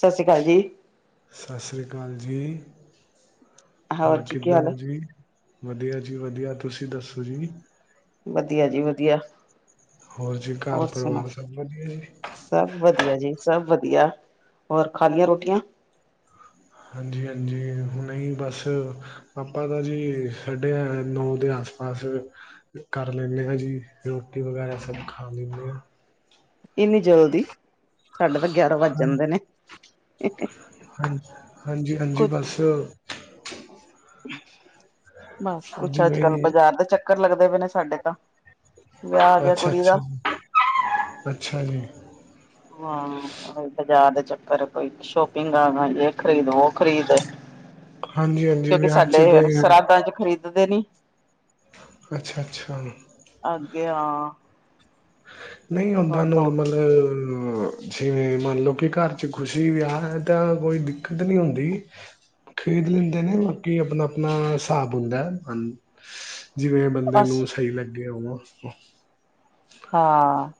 ਸਤਿ ਸ਼੍ਰੀ ਅਕਾਲ ਜੀ। ਸਤਿ ਸ੍ਰੀ ਅਕਾਲ ਜੀ ਹੋਰ ਜੀ ਕੀ ਕਿਧਰ ਹਾਲ ਹੈ? ਹੋ ਜੀ? ਵਧੀਆ ਜੀ, ਵਧੀਆ ਤੁਸੀਂ ਦੱਸੋ ਜੀ? ਵਧੀਆ ਜੀ ਵਧੀਆ। ਹੋਰ ਜੀ ਘਰ ਹੋਰ ਸੁਣਾਓ? ਪਰਿਵਾਰ ਸਭ ਵਧੀਆ ਜੀ? ਸਭ ਵਧੀਆ ਜੀ ਸਭ ਵਧੀਆ ਹੋਰ ਖਾ ਲਈਆਂ ਰੋਟੀਆਂ? ਹਾਂਜੀ, ਹਾਂਜੀ ਨਹੀਂ ਬਸ। ਆਪਾਂ ਤਾਂ ਜੀ ਸਾਡੇ ਆ ਨੌ ਦੇ ਆਸ ਪਾਸ। ਕਰ ਲੈਂਦੇ ਹਾਂ ਜੀ ਰੋਟੀ ਵਗੈਰਾ ਸਭ ਖਾ ਲੈਂਦੇ ਹਾਂ। ਇੰਨੀ ਜਲਦੀ ਸਾਡੇ ਤਾਂ ਗਿਆਰਾਂ ਵੱਜ ਜਾਂਦੇ ਨੇ। ਹਾਂਜੀ ਹਾਂਜੀ ਹਾਂਜੀ ਕੁਛ ਬਸ। ਬਸ ਕੁੱਛ ਅੱਜ ਜਿਵੇਂ ਕੱਲ ਬਾਜ਼ਾਰ ਦੇ ਚੱਕਰ ਲੱਗਦੇ ਪਏ ਨੇ ਸਾਡੇ ਤਾਂ। ਵਿਆਹ ਆ ਗਿਆ ਅੱਛਾ, ਕੁੜੀ ਦਾ। ਅੱਛਾ,। ਅੱਛਾ ਜੀ। ਵਾਉ। ਬਜ਼ਾਰ ਦੇ ਚੱਕਰ ਕੋਈ ਸ਼ੋਪਿੰਗ ਆ। ਇਹ ਖ਼ਰੀਦ ਉਹ ਖ਼ਰੀਦ। ਹਾਂਜੀ ਹਾਂਜੀ ਕਿਉਂਕਿ ਵਿਆਹ ਸਾਡੇ ਚ ਤੇ ਸ਼ਰਾਧਾਂ ਚ ਖ਼ਰੀਦਦੇ ਨੀਂ। ਅੱਛਾ, ਅੱਛਾ। ਅੱਗੇ ਹਾਂ। ਨਹੀਂ ਹੁੰਦਾਂ ਹੋਰ ਦੋ ਨੋਰਮਲ। ਜਿਵੇਂ ਮੰਨ ਲਓ ਕਿ ਘਰ ਚ ਖੁਸ਼ੀ ਵਿਆਹ ਹੈਂ ਤਾਂ ਕੋਈ ਦਿੱਕਤ ਨੀਂ ਹੁੰਦੀਂ। ਖ਼ਰੀਦ ਲੈਂਦੇ ਨੇਂ ਬਾਂਕੀ ਆਪਣਾਂ ਆਪਣਾਂ ਹਿਸਾਬ ਹੁੰਦਾਂ ਜਿਵੇਂ। ਬੰਦੇ ਬਸ ਨੂੰ ਸਹੀ ਲੱਗੇਂ ਉਵਾ। ਹਾਂ।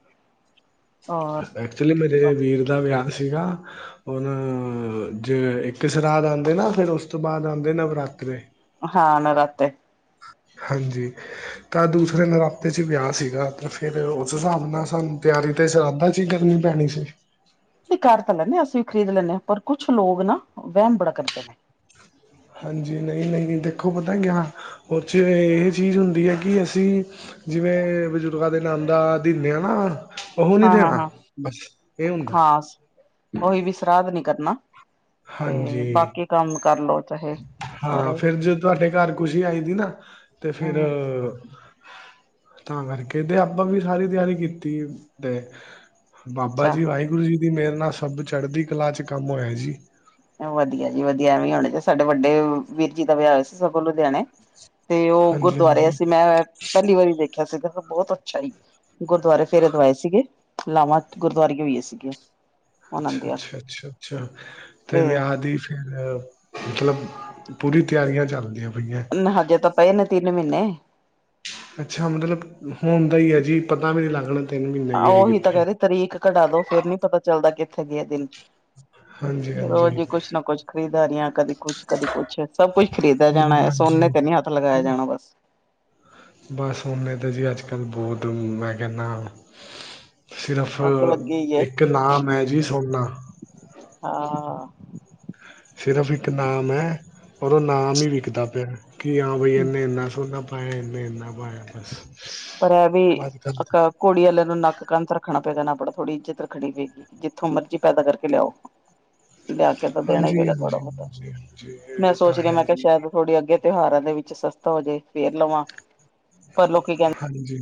ਹੋਰ ਐਕਚੁਅਲੀ ਮੇਰੇ ਵੀਰ ਦਾ ਵਿਆਹ ਸੀਗਾ। ਹੁਣ ਜ ਇੱਕ ਸਰਾਧ ਆਉਂਦੇ ਨਾ ਫਿਰ ਉਸ ਤੋਂ ਬਾਅਦ ਆਉਂਦੇ ਨਵਰਾਤੇ। ਹਾਂ ਨਰਾਤੇ। ਹਾਂਜੀ। ਤਾਂ ਦੂਸਰੇ ਨਰਾਤੇ ਚ ਵਿਆਹ ਸੀਗਾ ਤੇ ਫੇਰ ਉਸ ਹਿਸਾਬ ਨਾਲ ਸਾਨੂੰ ਤਿਆਰੀ। ਤੇ ਸਰਾਦਾਂ ਚ ਹੀ ਗਰਮੀ ਪੈਣੀ ਸੀ? ਨਹੀ ਕਰ ਤਾਂ ਲੈਂਦੇਂ ਹਾਂ। ਅਸੀਂ ਵੀ ਖ਼ਰੀਦ ਲੈਂਦੇ ਹਾਂ। ਪਰ ਕੁੱਛ ਲੋਕ ਨਾ ਵਹਿਮ ਬੜਾ ਕਰਦੇਂ ਨੇਂ। ਹਾਂਜੀ। ਨਹੀਂ, ਨਹੀਂ ਦੇਖੋਂ ਪਤਾਂ ਕਿਆ ਉਹਦੇ ਚ ਇਹ ਚੀਜ਼ ਹੁੰਦੀ ਹੈਂ ਕਿ ਅਸੀਂ। ਜਿਵੇਂ ਬਜ਼ੁਰਗਾਂ ਦੇ ਨਾਮ ਦਾ ਦਿਨ ਆ ਨਾ। ਉਹ ਨਹੀਂ ਹਾਂ ਹਾਂ ਦੇਣਾਂ ਹਾਂ ਬਸ ਇਹ ਹੁੰਦਾਂ। ਹਾਂ ਉਹੀ ਵੀ ਸ਼ਰਾਧ ਨੀਂ ਕਰਨਾਂ ਤੇ ਹਾਂਜੀ ਬਾਕੀ ਕੰਮ ਕਰਲੋ। ਚਾਹੇ ਹਾਂ ਸਾਰੇ ਫ਼ਿਰ ਜੇ ਤੁਹਾਡੇ ਘਰ ਖੁਸ਼ੀ ਆਈਂ ਦੀ ਨਾ। ਤੇ ਫ਼ਿਰ। ਹਮ ਤਾਂ ਕਰਕੇ ਤੇ ਆਪਾਂ ਵੀ ਸਾਰੀ ਤਿਆਰੀ ਕੀਤੀ ਤੇ ਬਾਬਾ ਅੱਛਾ ਜੀ ਵਾਹਿ ਗੁਰੂ ਜੀ ਦੀ ਮਿਹਰ ਨਾਲ਼ ਸਭ ਚੜ੍ਹਦੀ ਕਲਾਂ ਚ ਕੰਮ ਹੋਇਆਂ ਸੀ। ਵਧੀਆ ਜੀ ਵਧੀਆ ਐਵੇਂ ਹੁਣੇ ਸਾਡੇ ਵੱਡੇ ਵੀਰ ਜੀ ਦਾ ਵਿਆਹ ਹੋਇਆਂ ਸੀ ਸਗੋਂ ਲੁਧਿਆਣੇਂ। ਤੇ ਉਹ ਹਾਂਜੀ ਗੁਰਦੁਆਰੇ ਹਾਂਜੀ ਸੀਂ ਮੈਂ ਪਹਿਲੀਂ ਵਾਰੀਂ ਦੇਖਿਆਂ ਸੀ ਬਹੁਤ ਅੱਛਾ ਈ। ਗੁਰਦੁਆਰੇ ਫੇਰੇ ਦਵਾਏ ਸੀਗੇ ਲਾਵਾਂ ਗੁਰਦੁਆਰੇ ਹੀ ਹੋਈਆਂ ਸੀਗੀਆਂ। ਉਹਨਾਂ ਅੱਛਾ ਦੀਆਂ ਅੱਛਾ ਅੱਛਾ ਅੱਛਾ ਤੇ ਵਿਆਹ ਦੀ ਫ਼ਿਰ ਮੱਤਲਬ ਪੂਰੀ ਤਿਆਰੀ। ਨਾ ਹਜੇ ਤਾਂ ਪਏ ਨੇਂ ਤਿੰਨ ਮਹੀਨੇਂ। ਅੱਛਾ ਮੱਤਲਬ ਹੁਣ ਦਾ ਹੀ ਹੈ ਜੀ ਪਤਾ ਵੀ ਨੀਂ ਲੱਗਣਾਂ। ਉਹੀ ਤਾਂ ਕਹਿਦੇ ਤਰੀਕ ਕਢਾ ਦੋ ਫ਼ਿਰ ਨੀ ਪਤਾ ਚੱਲਦਾ ਕਿੱਥੇ ਗਏ ਦਿਨ। ਹਾਂਜੀ। ਹਾਂਜੀ ਰੋਜ਼ ਹੀ ਕੁੱਛ ਨਾ ਕੁੱਛ ਖਰੀਦਦਾਰੀਆ ਕਦੀ ਕੁੱਛ ਕਦੀ ਕੁੱਛ ਸਭ ਕੁੱਛ ਖ਼ਰੀਦਿਆ ਜਾਣਾਂ ਹਮ, ਹੈਂ ਸੋਨੇ ਹਾਂਜੀ ਕਨੀ ਹੱਥ ਲਗਾਇਆਂ ਜਾਣਾਂ ਬਸ। ਬਸ ਸੌਨੇ ਤਾਂ ਜੀ ਅੱਜ਼ ਕੱਲ੍ਹ ਬਹੁਤ ਮੈਂ ਕਹਿੰਦਾਂ ਸਿਰਫ਼ ਅੱਗ ਲੱਗੀ ਹੀ ਹੈ ਇੱਕ ਨਾਂਮ ਹੈ ਜੀ ਸੋਨਾ। ਹਾਂ। ਸਿਰਫ਼ ਇੱਕ ਨਾਮ ਹੈਂ ਔਰ ਉਹ ਨਾਮ ਹੀ ਵਿੱਕਦਾ ਪਿਆ ਕਿ ਹਾਂ ਬਈ ਇਹਨੇ ਇੰਨਾਂ ਸੋਨਾ ਪਾਇਆਂ ਮ ਇੰਨੇਂ ਏਨਾਂ ਪਾਇਆਂ ਬਸ। ਪਰ ਇਹ ਵੀ ਅੱਜ ਕੱਲ ਅ ਕੁੜੀ ਵਾਲਿਆਂ ਨੂੰ ਨੱਕ ਕੰਨ ਤਾਂ ਰੱਖਣਾ ਪਏਗਾ ਨਾ ਆਪਣਾਂ ਥੋੜ੍ਹੀ ਇੱਜ਼ਤ ਰੱਖਣੀ ਪਏਗੀ। ਜਿੱਥੋਂ ਮਰਜ਼ੀ ਪੈਦਾ ਕਰਕੇ ਲਿਆਓ। ਲਿਆ ਕੇ ਤਾਂ ਦੇਣਾ ਹੀ ਹਾਂਜੀ ਪਏਗਾ ਥੋੜਾ ਹਾਂਜੀ ਬਹੁਤਾ ਹਾਂਜੀ ਹਾਂਜੀ ਮੈਂ ਇਹ ਤਾਂ ਸੋਚ ਰਹੀ ਹੈ ਮੈਂ ਕਿਹਾ ਜੀ ਸ਼ਾਇਦ। ਥੋੜ੍ਹੇ ਅੱਗੇ ਤਿਉਹਾਰਾਂ ਦੇ ਵਿੱਚ ਸਸਤਾ ਹੋਜੇ ਫ਼ਿਰ ਲਵਾਂ ਪਰ ਲੋਕੀਂ ਕਹਿੰਦੇ। ਹਾਂਜੀ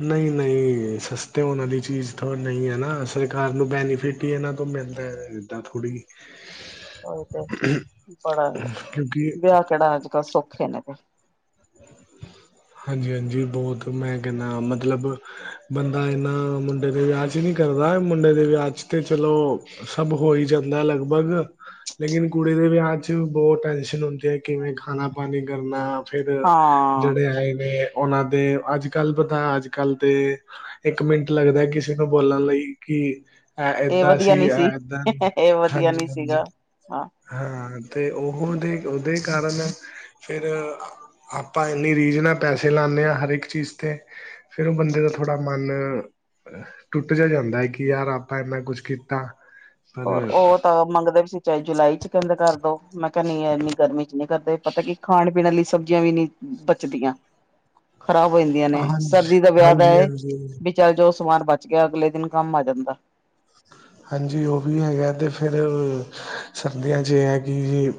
ਨਹੀਂ ਨਹੀਂ ਇਹ ਸਸਤੇ ਹੋਣ ਵਾਲੀ ਚੀਜ਼ ਤੇ ਨਹੀਂ ਹੈ ਨਾ ਸਰਕਾਰ ਨੂੰ ਬੈਨੀਫਿਟ ਹੀ ਇਹਨਾਂ ਤੋਂ ਮਿਲ਼ਦਾ। ਇਦਾ ਥੋੜ੍ਹੀ। ਉਹੀ ਤੇ। ਬੜਾ ਕਿਉਂਕਿ ਵਿਆਹ ਕਿਹੜਾ ਅੱਜ਼ ਕੱਲ੍ਹ ਸੌਖੇ ਨੇਂ ਤੇ। ਹਾਂਜੀ ਹਾਂਜੀ ਬਹੁਤ ਮੈਂ ਕਹਿੰਦਾਂ ਮੱਤਲਬ। ਬੰਦਾਂ ਇੰਨਾਂ ਮੁੰਡੇ ਦੇ ਵਿਆਹ ਚ ਨੀਂ ਕਰਦਾਂ ਮੁੰਡੇ ਦੇ ਵਿਆਹ ਚ ਤੇ ਚਲੋਂ। ਸਭ ਹੋ ਹੀ ਜਾਂਦਾ ਲੱਗਭਗ ਲੇਕਿਨ ਕੁੜੀ ਦੇ ਵਿਆਹ ਚ ਬਹੁਤ ਟੈਨਸ਼ਨ ਹੁੰਦੀ ਹੈ ਕਿਵੇਂ ਖਾਣਾ ਪਾਣੀ ਕਰਨਾ। ਫਿਰ ਹਾਂ ਜਿਹੜੇ ਆਏ ਨੇ ਉਹਨਾਂ ਦੇ ਅੱਜ ਕੱਲ੍ਹ ਪਤਾ ਅੱਜ ਕੱਲ ਦੇ। ਇੱਕ ਮਿੰਟ ਲੱਗਦਾ ਕਿਸੇ ਨੂੰ ਬੋਲਣ ਲਈ ਕਿ। ਇਹ ਵਧੀਆ ਨੀ ਸੀ ਇਹ ਵਧੀਆ ਨੀ ਹਾਂਜੀ-ਹਾਂਜੀ ਸੀਗਾ ਹਾਂ ਹਾਂ ਤੇ ਉਹਦੇ ਉਹਦੇ ਕਾਰਨ ਫਿਰ ਆਪਾਂ ਇਨੀ ਰੀਝ ਨਾਲ ਪੈਸੇ ਲਾਨੇ ਹਾਂ ਹਰ ਇੱਕ ਚੀਜ਼ ਤੇ, ਫੇਰ ਉਹ ਬੰਦੇ ਦਾ ਥੋੜ੍ਹਾ ਮਨ ਟੁੱਟ ਜਾ ਜਾਂਦਾ ਹੈ, ਕਿ ਯਾਰ ਆਪਾਂ ਇੰਨਾ ਕੁਛ ਕੀਤਾ। ਪਰ ਹੋਰ ਉਹ ਤਾਂ ਮੰਗਦੇ ਵੀ ਸੀ, ਚਾਹੇ ਜੁਲਾਈ ਚ ਕਹਿੰਦੇ ਕਰ ਦੋ ਮੈਂ ਕਿਹਾ ਨੀ ਇੰਨੀ ਗਰਮੀ ਚ ਨੀ। ਕਰਦੇ ਪਤਾ ਕਿ ਖਾਣ ਪੀਣ ਵਾਲੀ ਸਬਜ਼ੀਆਂ ਵੀ ਨਹੀਂ ਬਚਦੀਆਂ। ਖ਼ਰਾਬ ਹੋ ਜਾਂਦੀਆਂ ਨੇਂ ਹਾਂਜੀ ਸਰਦੀ ਦਾ ਵਿਆਹ ਦਾ ਹਾਂਜੀ ਹਾਂਜੀ ਇਹ ਚੱਲ ਜੋ ਸਮਾਨ ਬਚ ਗਿਆਂ ਅਗਲੇ ਦਿਨ ਕੰਮ ਆ ਜਾਂਦਾਂ। ਹਾਂਜੀ ਉਹ ਵੀ ਹੈਗਾ ਤੇ ਫਿਰ ਸਰਦੀਆਂ ਚ ਇਹ ਹੈ ਕਿ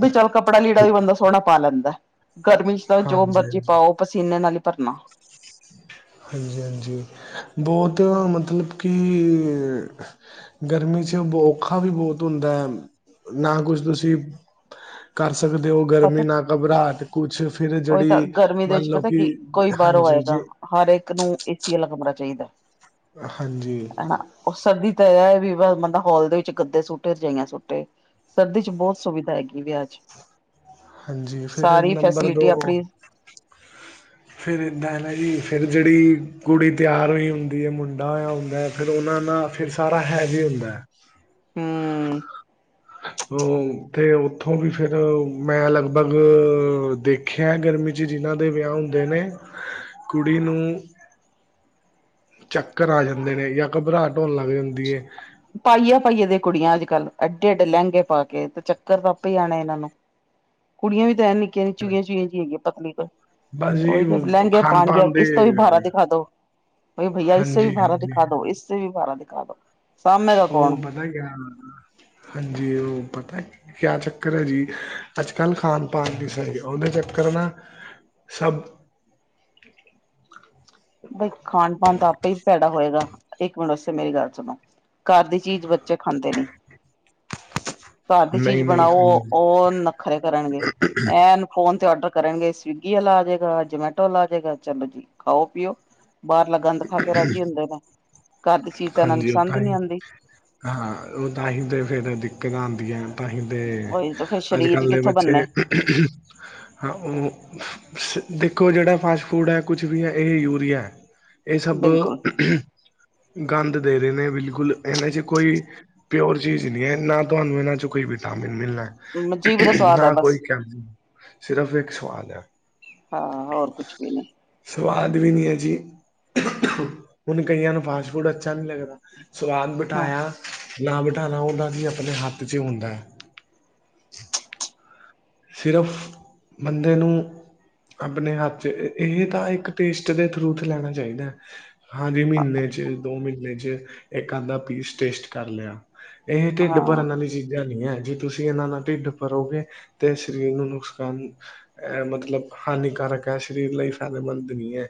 ਵੀ ਚੱਲ ਕੱਪੜਾ ਲੀੜਾ ਵੀ ਬੰਦਾ ਸੋਹਣਾ ਪਾ ਲੈਂਦਾ ਗਰਮੀ ਚ ਤਾਂ ਜੋ ਹਾਂਜੀ ਮਰਜ਼ੀ ਹਾਂਜੀ ਪਾਓ। ਪਸੀਨੇ ਨਾਲ ਹੀ ਭਰਨਾ। ਹਾਂਜੀ ਹਾਂਜੀ ਬਹੁਤ ਮਤਲਬ ਕਿ। ਗਰਮੀ ਚ ਔਖਾ ਵੀ ਬਹੁਤ ਹੁੰਦਾ ਹੈ ਨਾ ਕੁਛ ਤੁਸੀਂ। ਕਰ ਸਕਦੇ ਹੋ ਗਰਮੀ ਪਤਾ ਨਾ ਘਬਰਾਹਟ ਕੁਛ ਫਿਰ ਉਹੀ ਤਾਂ ਜਿਹੜੀ ਗਰਮੀ ਦੇ ਮੰਨ ਵਿੱਚ ਲਓ, ਪਤਾ ਕੀ ਕਿ ਕੋਈ ਬਾਹਰੋਂ ਹਾਂਜੀ ਆਏਗਾ ਜੇ। ਹਰ ਇੱਕ ਨੂੰ ਏਸੀ ਵਾਲਾ ਕਮਰਾ ਚਾਹੀਦਾ। ਹਾਂਜੀ, ਹਨਾ, ਉਹ ਸਰਦੀ ਤਾਂ ਇਹ ਵੀ ਮਤਲਬ ਹਲ ਦੇ ਵਿੱਚ ਗੱਦੇ ਸੁੱਟੇ ਰਜਾਈਆਂ ਸੁੱਟੇ ਸਰਦੀ ਚ ਬਹੁਤ ਸੁਵਿਧਾ ਹੈਗੀ ਵਿਆਹ ਚ, ਹਾਂਜੀ ਫਿਰ ਨੰਬਰ ਦੋ, ਹੂੰ, ਫਿਰ ਇੱਦਾਂ ਹੈ, ਨਾ ਜੀ ਫਿਰ ਜਿਹੜੀ ਕੁੜੀ ਤਿਆਰ ਹੋਈ ਹੁੰਦੀ ਹੈ ਮੁੰਡਾ ਹੋਇਆ ਹੁੰਦਾ। ਫਿਰ ਉਹਨਾਂ ਦਾ ਫਿਰ ਸਾਰਾ ਹੈ ਵੀ ਹੁੰਦਾ। ਹਾ, ਤੇ ਉੱਥੋਂ ਵੀ ਫਿਰ ਮੈਂ ਲਗਭਗ ਦੇਖ। ਖਿਆ, ਗਰਮੀ ਚ ਜਿਨਾਂ ਦੇ ਵਿਆਹ ਹੁੰਦੇ ਨੇ ਕੁੜੀ ਨੂੰ ਹਾਂ, ਚੱਕਰ ਆ ਜਾਂਦੇ ਨੇ, ਜਾਂ ਘਬਰਾਹ ਹੋਣ ਲੱਗ ਜਾਂਦੀ ਹੈ। ਪਾਈਆਂ ਪਾਈਏ ਦੇ ਕੁੜੀਆਂ, ਅੱਜ-ਕੱਲ੍ਹ ਐਡੇ ਐਡੇ ਲਹਿੰਗੇ ਪਾ ਕੇ ਤੇ ਚੱਕਰ ਤਾਂ ਆਪ ਹੀ ਜਾਣਾ ਇਹਨਾਂ ਨੂੰ ਕੁੜੀਆਂ ਵੀ ਤਾਂ ਹੈ, ਨਿੱਕੀਆਂ ਨ ਚੁਈਆਂ-ਚੁਈਆਂ ਚ ਹੈਗੀਆਂ ਪਤਲੀ ਬਸ ਉਹ ਜੀ ਲਹਿੰਗ ਖਾਣ ਪਾਉਣਾ ਗਿਆ, ਪਾਣ ਦੇ ਇਸ ਤੋਂ ਵੀ ਭਾਰਾ ਦਿਖਾ ਦੋ। ਭਾਈ ਇਸੇ ਵੀ ਹਾਂਜੀ ਬਾਰਾ ਹਾਂਜੀ ਦਿਖਾ ਦੋ ਇਸੇ ਵੀ ਬਾਰਾ ਦਿਖਾ ਦੋ। ਸਾਂਭੇਗਾ ਉਹ ਕੌਣ ਪਤਾ ਕਿਆ, ਹਾਂਜੀ ਉਹ ਪਤਾ। ਕਿਆ ਚੱਕਰ ਹੈ, ਜੀ ਅੱਜ-ਕੱਲ੍ਹ ਖਣ ਪਾਨ ਵੀ ਸਹੀ ਉਹਦੇ ਚੱਕਰ ਨਾ, ਸਭ, ਬਈ ਖਾਣ ਪਣ ਤਾਂ ਆਪੇ ਵੀ ਪੈਦਾ ਹੋਏਗਾ, ਇੱਕ ਮਿੰਟ ਉਸੇ ਮੇਰੀ ਗੱਲ ਸੁਣੋ। ਘਰ ਦੀ ਚੀਜ਼ ਬੱਚੇ ਖਾਂਦੇ ਨੀ। ਘਰ ਦੀ ਚੀਜ਼ ਨਹੀਂ ਨਹੀਂ ਖਾਂਦੇ ਬਣਾਓ, ਉਹ ਨਖਰੇ ਕਰਨਗੇ ਇਹ ਫੋਨ ਤੇ ਡਰ ਕਰਨਗੇ, ਸਵੀਗੀ ਵਾਲਾ ਆ ਜੇਗਾ ਜਮੈਟੋ ਵਾਲਾ ਆ ਜੇਗਾ ਚਲੋ ਜੀ ਖਾਓ-ਪੀਓ। ਬਾਹਰਲਾ ਗੰਦ ਖਾ ਕੇ ਰਾਜੀ ਹੁੰਦੇ ਨੇ, ਘਰ ਦੀ ਚੀਜ਼ ਤਾਂ ਇਹਨਾਂ ਨੂੰ ਹਾਂਜੀ, ਉਹ ਪਸੰਦ ਤਾਂ ਹੀ ਨਹੀਂ ਆਉਂਦੀ। ਹਾਂ ਉਹ ਤਾਂ ਹੀ ਤੇ ਫੇਰ ਦਿੱਕਤਾਂ ਆਦੀਆਂ। ਤਾਂਹੀ, ਦੇ ਉਹੀ ਤਾਂ ਫੇਰ ਸਰੀਰ ਅੱਜ-ਕੱਲ੍ਹ ਦੇ ਕਿੱਥੋਂ ਬੱਚੇ। ਬੰਨੇ ਹਾਂ ਉਹ ਦੇਖੋ, ਜਿਹੜਾ ਫਾਸਟ ਫੂਡ ਹੈ ਕੁਛ ਵੀ ਹੈ ਇਹ ਯੂਰੀਆ ਹੈ। ਇਹ ਸਭ ਬਿਲਕੁਲ ਗੰਦ ਦੇ ਰਹੇ ਨੇ, ਬਿਲਕੁਲ ਇਹਨਾਂ ਚ ਕੋਈ ਪਿਓਰ ਚੀਜ਼ ਨਹੀਂ ਹੈ, ਨਾ ਤੁਹਾਨੂੰ ਇਹਨਾਂ 'ਚੋਂ ਕੋਈ ਵਿਟਾਮਿਨ ਮਿਲਣਾ। ਜੀਭ ਦਾ ਸਵਾਦ ਹੈ ਨਾ ਕੋਈ ਬਸ ਕ ਸਿਰਫ ਇੱਕ ਸਵਾਲ ਆ। ਹਾਂ ਹੋਰ ਕੁਛ ਵੀ ਨੀ। ਸਵਾਦ ਵੀ ਨਹੀਂ ਐ ਜੀ। ਹੁਣ ਕਈਆਂ ਨੂੰ ਫਾਸਟ ਫੂਡ ਅੱਛਾ ਨਹੀਂ ਲੱਗਦਾ ਸਵਾਦ। ਹਾਂ। ਬਿਠਾਇਆ ਨਾ ਬਿਠਾਨਾ ਉਹਦਾ ਹੀ ਆਪਣੇ ਹੱਥ ਚ ਹੁੰਦਾ ਹੈ। ਸਿਰਫ ਬੰਦੇ ਨੂੰ ਆਪਣੇ ਹੱਥ ਚ ਇਹ ਤਾਂ ਇੱਕ ਪੇਸਟ ਦੇ ਥਰੂ ਚ ਲੈਣਾ ਚਾਹੀਦਾ ਹੈ। ਹਾਂਜੀ, ਮਹੀਨੇ ਚ ਦੋ ਮਹੀਨੇ ਚ ਇੱਕ ਅੱਧਾ ਪੀਸ ਟੇਸਟ ਕਰ ਲਿਆ। ਇਹ ਢਿੱਡ ਹਾਂ ਭਰਨ ਵਾਲੀ ਚੀਜ਼ਾਂ ਨਹੀ ਹੈ ਜੇ ਤੁਸੀਂ ਇਹਨਾਂ ਨਾਲ ਢਿੱਡ ਭਰੋਗੇ। ਤੇ ਸਰੀਰ ਨੂੰ ਨੁਕਸਾਨ ਅ ਮਤਲਬ ਹਾਨੀਕਾਰਕ ਹੈ, ਸਰੀਰ ਲਈ ਫਾਇਦੇਮੰਦ ਨਹੀਂ ਹੈ।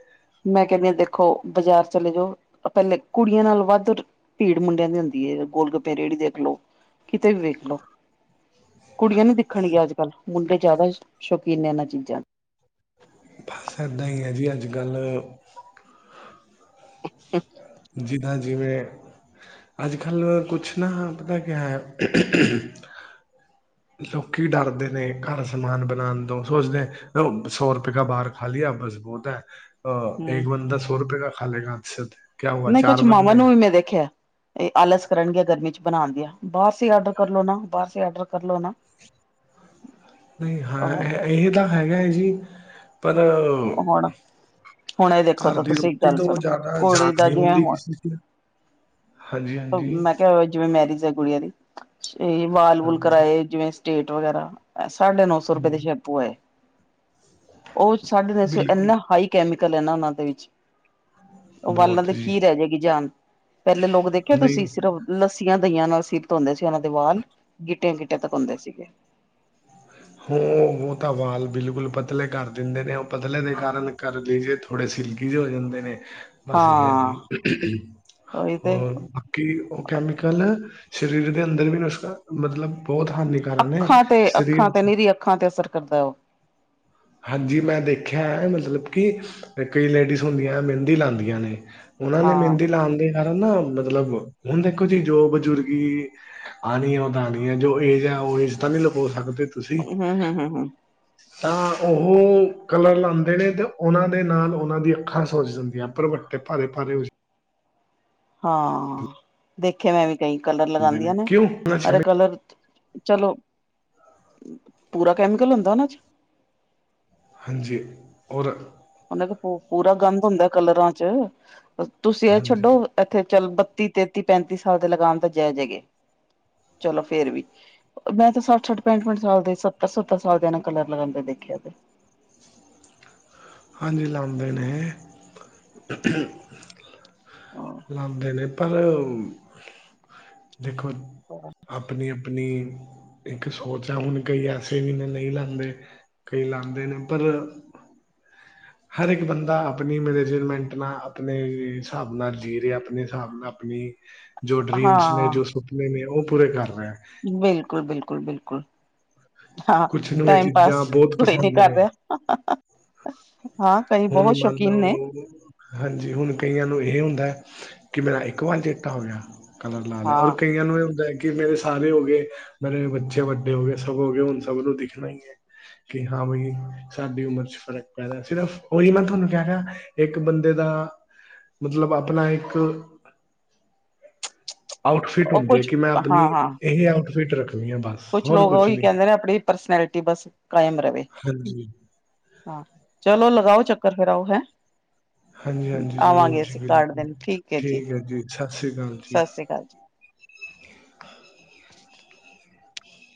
ਮੈਂ ਕਹਿੰਦੀ ਆ ਦੇਖੋ ਬਾਜ਼ਾਰ ਚਲੇ ਜਾਓ, ਪਹਿਲੇ ਕੁੜੀਆਂ ਨਾਲ ਵੱਧ ਭੀੜ ਮੁੰਡਿਆਂ ਦੀ ਹੁੰਦੀ ਹੈ, ਗੋਲ ਗੱਪੇ ਰੇਹੜੀ ਦੇਖ ਲੋ ਕਿਤੇ ਵੀ ਵੇਖ ਲਓ। ਕੁੜੀਆਂ ਨੀ ਦੇਖਣਗੀਆਂ, ਅੱਜ ਕੱਲ ਮੁੰਡੇ ਜ਼ਿਆਦਾ ਸ਼ੌਕੀਨ ਨੇ ਇਹਨਾਂ ਚੀਜ਼ਾਂ ਦੇ। ਬਸ ਇੱਦਾਂ ਹੀ ਹੈ ਜੀ ਅੱਜ-ਕੱਲ੍ਹ, [unintelligible] ਜਿੱਦਾਂ ਜਿਵੇਂ ਅਜ-ਕੱਲ੍ਹ ਕੁਛ ਨਾ ਪਤਾ ਕਿਆ ਹੈ ਲੋਕ ਡਰਦੇ ਨੇ ਘਰ ਸਮਾਨ ਬਣਾਉਣ ਤੋਂ ਸੋਚਦੇ। ਸੌ ਰੁਪਇਆ ਕਾ ਬਾਹਾਰ ਖਾ ਲਿਆ ਬਸ ਬਹੁਤ ਹੈ। ਅ ਹਮ ਇੱਕ ਬੰਦਾ ਸੌ ਰੁਪਏ ਕਾ ਖਾ ਲੇਗਾ ਹਦਸ ਤੇ ਨਹੀਂ ਕੁਛ ਮਾਵਾਂ ਨੂੰ ਵੀ ਮੈਂ ਦੇਖਿਆ ਆਲਸ ਕਰਨਗੀਆਂ ਗਰਮੀ ਚ ਬਣਾਉਣ ਦੀਆਂ, ਬਾਹਰ ਸੇ ਆਡਰ ਕਰ ਲੋ ਨਾ ਬਾਹਰ ਸੇ ਆਡਰ ਕਰ ਲੋ ਨਾ। ਨਹੀਂ ਹਾਂ ਇਹ ਹੁਣ ਇਹ ਤਾਂ ਹੈਗਾ ਹੈ ਜੀ ਪਰ ਹੁਣ ਇਹ ਦੇਖੋ ਘਰ ਤਾਂ ਦੀ ਤੁਸੀਂ ਇੱਕ ਰੋਟੀ ਗੱਲ ਤੋਂ ਉਹ ਸੁਣੋ ਜ਼ਿਆਦਾ ਕੁੜੀ ਜਾਗ ਦਾ ਨਹੀਂ ਜਿਵੇਂ ਹੁੰਦੀ ਹੁਣ ਕਿਸੇ ਚ ਮੈਂ ਕਿਹਾ ਹੋ ਜਿਵੇਂ ਮੈਰਿਜ ਹੈ ਗੁੜੀਆਂ ਦੀ। ਤੇ ਵਾਲ ਵੂ ਹਾਂਜੀ ਕਰਵਾਏ ਜਿਵੇਂ ਸਟੇਟ ਵਗੈਰਾ, ਸਾਢੇ ਨੋ ਸੋ ਰੁਪਏ ਦੇ ਹਾਂਜੀ ਸ਼ੈਪੂ ਆਏ। ਉਹ ਸਾਢੇ ਤਿੰਨ ਸੌ ਬਿਲਕੁਲ ਇੰਨਾ ਹਾਈ ਕੈਮੀਕਲ ਹੈ ਨਾ ਉਹਨਾਂ ਦੇ ਵਿੱਚ। ਵਾਲਾਂ ਬਹੁਤ ਦੇ ਜੀ ਕੀ ਰਹਿ ਜਾਏਗੀ ਜਾਨ ਪਹਿਲੇ ਲੋਕ ਦੇਖਿਆ ਨਹੀਂ ਤੁਸੀਂ ਸਿਰਫ ਲੱੱਸੀਆਂ ਦਈਆਂ ਨਾਲ ਸਿਰ ਧੋਂਦੇ ਸੀ ਉਹਨਾਂ ਦੇ ਵਾਲ ਗਿੱਟਿਆਂ ਗਿੱਟੇ ਤਕ ਹੁੰਦੇ ਸੀਗੇ। ਹ ਉਹ ਤਾਂ ਵਾਲ ਬਿਲਕੁਲ ਪਤਲੇ ਕਰ ਦਿੰਦੇ ਨੇ, ਉਹ ਪਤਲੇ ਦੇ ਕਾਰਨ ਕਰ ਲਈਜੇ ਥੋੜੇ ਸਿਲਕੀ ਚ ਹੋ ਜਾਂਦੇ ਨੇ, ਬਸ ਇਹ ਹਾਂ ਜੀ ਉਹੀ ਤੇ ਹੋਰ ਕਿ ਉਹ ਕੈਮੀਕਲ ਸਰੀਰ ਦੇ ਅੰਦਰ ਵੀ ਨੁਸਖਾ ਮਤਲਬ ਬਹੁਤ ਹਾਨੀਕਾਰਕ ਨੇ ਅੱਖਾਂ ਤੇ ਅੱਖਾਂ ਸਰੀਰ ਤੇ ਨੀਰੀ ਅੱਖਾਂ ਤੇ ਅਸਰ ਕਰਦਾ ਉਹ। ਹਾਂਜੀ ਮੈਂ ਦੇਖਿਆ ਹੈ ਮਤਲਬ ਕਿ ਕਈ ਲੇਡੀਜ਼ ਹੁੰਦੀਆਂ ਮਹਿੰਦੀ ਲਾਉਂਦੀਆਂ ਨੇ। ਉਹਨਾਂ ਨੇ ਹਾਂ ਮਹਿੰਦੀ ਲਾਉਣ ਦੇ ਕਾਰਨ ਨਾ ਮਤਲਬ ਹੁਣ ਦੇਖੋ ਜੀ ਜੋ ਬਜ਼ੁਰਗੀ ਆਉਣੀ ਹੈ ਉਹ ਤਾਂ ਆਉਣੀ ਹੈ ਜੋ ਏਜ ਹੈ ਉਹ ਏਜ ਤਾਂ ਨਹੀ ਲੁਕ ਸਕਦੇ ਤੁਸੀਂ। ਹ। ਤਾਂ ਉਹ ਕਲਰ ਲਾਉਂਦੇ ਨੇ ਅਤੇ ਉਹਨਾਂ ਦੇ ਨਾਲ ਉਹਨਾਂ ਦੀ ਅੱਖਾਂ ਸੋਚ ਜਾਂਦੀਆਂ ਪਰਬ ਭਾਰੇ -ਭਾਰੇ। ਹਾਂ, ਦੇਖੇ ਮੈਂ ਵੀ ਕਈ ਕਲਰ ਜਾਂਦੇ ਲਗਾਉਂਦੀਆਂ ਨੇ ਕਿਉਂ ਉਹਨਾਂ ਅਰੇ ਚ- ਕਲਰ ਚਲੋ, ਪੂਰਾ ਕੈਮੀਕਲ ਹੁੰਦਾ ਉਹਨਾਂ ਚ। ਹਾਂਜੀ, ਔਰ ਉਹ ਪੂਰਾ ਗੰਦ ਹੁੰਦਾ ਕਲਰਾਂ ਚ ਤੁਸੀਂ ਇਹ ਹਾਂਜੀ ਛੱਡੋ ਇੱਥੇ ਚਲ ਬੱਤੀ ਤੇਤੀ ਪੈਂਤੀ ਸਾਲ ਦੇ ਲਗਾਮ ਤਾਂ ਜੈਜ ਹੈਗੇ ਚਲੋ ਫੇਰ ਵੀ। ਮੈਂ ਤਾਂ ਸੱਠ -ਸੱਠ, ਪੈਂਠ- ਪੈਂਠ ਸਾਲ ਦੇ ਸੱਤਰ- ਸੱਤਰ ਸਾਲ ਦੇ ਨਾਲ ਕਲਰ ਲਗਾਉਂਦੇ ਦੇਖਿਆ ਤੇ ਹਾਂਜੀ ਲਉਦੇ ਨੇ ਇਹ ਲਾਉਂਦੇ ਨੇ ਪਰ ਉਹ ਦੇਖੋ ਹ ਆਪਣੀ ਆਪਣੀ ਇੱਕ ਸੋਚ ਆ ਹੁਣ ਕਈ ਐਸੇ ਵੀ ਨਹੀਂ ਲਾਂਉਦੇ ਕਈ ਲਾਉਦੇ ਨੇ ਪਰ ਹਰ ਇੱਕ ਬੰਦਾ ਆਪਣੀ ਮੈਨੇਜਰਮੈਂਟ ਨਾਲ ਆਪਣੇ ਹਿਸਾਬ ਨਾਲ ਜੀ ਰਿਹਾ ਆਪਣੇ ਹਿਸਾਬ ਨਾਲ ਜੋ ਡ੍ਰੀਮ ਨੇ, ਹਾਂ ਜੋ ਸੁਪਨੇ ਨੇ ਉਹ ਪੂਰੇ ਕਰ ਰਹੀਆ ਬਿਲਕੁਲ -ਬਿਲਕੁਲ -ਬਿਲਕੁਲ ਹਾਂ ਕੁਛ ਨੂੰ ਇਹ ਟਾਈਮ ਪਾਸ ਚੀਜ਼ਾਂ ਬਹੁਤ ਕੋਈ ਨਹੀਂ ਪਸੰਦ ਕਰ ਨੇ ਰਿਹਾ ਹਾਂ ਕਈ ਹੁਣ ਬਹੁਤ ਮੰਨ ਸ਼ੌਕੀਨ ਨੇ ਲਓ ਹਾਂਜੀ ਹੁਣ ਕਈਆਂ ਨੂੰ ਇਹ ਹੁੰਦਾ ਹੈ ਕਿ ਮੇਰਾ ਇੱਕ ਵਾਲ ਚਿੱਟਾ ਹੋ ਗਿਆ। ਕਲਰ ਲਾ ਲਿਆ। ਔਰ ਹਾਂ ਕਈਆਂ ਨੂੰ ਏ ਹੁੰਦਾ ਕਿ ਮੇਰੇ ਸਾਰੇ ਹੋ ਗਏ, ਮੇਰੇ ਬੱਚੇ ਵੱਡੇ ਹੋ ਗਏ ਸਭ ਹੋ ਗਏ ਹੁਣ ਸਭ ਨੂੰ ਦਿਖਣਾ ਹੀ ਹੈ ਕਿ ਹਾਂ ਬਈ ਸਾਡੀ ਉਮਰ ਚ ਫ਼ਰਕ ਪੈਦਾ ਸਿਰਫ ਉਹੀ ਮੈਂ ਤੁਹਾਨੂੰ ਕਹਿ ਰਿਹਾ ਇੱਕ ਬੰਦੇ ਦਾ ਮਤਲਬ ਆਪਣਾ ਇੱਕ ਆਊਟਫਿਟ ਉਹ ਹੁੰਦੀ ਹੈ ਕੁਛ ਕਿ ਮੈਂ ਹਾਂ ਆਪਣੀ ਹਾਂ ਇਹ ਆਊਟਫਿਟ ਰੱਖਣੀ ਆ ਬਸ। ਕੁਛ ਹੋਰ ਲੋਕ ਉਹੀ ਨਹੀਂ ਕਹਿੰਦੇ ਨੇ ਆਪਣੀ ਪਰਸਨੈਲਿਟੀ ਬਸ ਕਾਇਮ ਰਹੇ। ਹਾਂਜੀ ਹਾਂ ਚਲੋ ਲਗਾਓ ਚੱਕਰ ਫੇਰ ਆਓ ਹੈ। ਹਾਂਜੀ ਹਾਂਜੀ ਜ਼ਰੂਰ ਆਵਾਂਗੇ ਜੀ ਅਸੀਂ ਕਾਰਡ ਬਿਲਕੁਲ ਦੇਣ ਠੀਕ ਐ ਜੀ ਹੈ ਸਤਿ ਸ਼੍ਰੀ ਅਕਾਲ ਜੀ ਸਤਿ ਸ੍ਰੀ ਅਕਾਲ ਜੀ। [unintelligible]